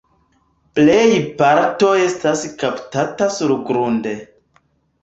Plej parto estas kaptata surgrunde.